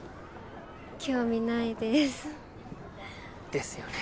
興味ないです。ですよね。